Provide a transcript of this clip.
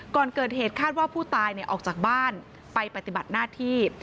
ก่อนเกิดเหตุคาดว่าผู้ตายออกจากบ้านไปปฏิบัติหน้าที่